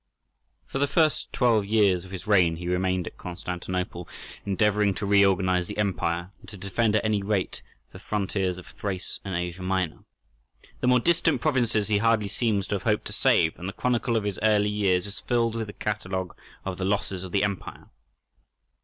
For the first twelve years of his reign he remained at Constantinople, endeavouring to reorganize the empire, and to defend at any rate the frontiers of Thrace and Asia Minor. The more distant provinces he hardly seems to have hoped to save, and the chronicle of his early years is filled with the catalogue of the losses of the empire.